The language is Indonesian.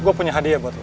gue punya hadiah buat lo